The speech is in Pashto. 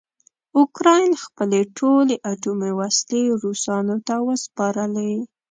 اوکراین خپلې ټولې اټومي وسلې روسانو ته وسپارلې.